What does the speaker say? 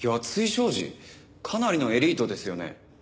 かなりのエリートですよね。